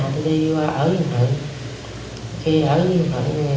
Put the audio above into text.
thì tôi nhìn hết nổi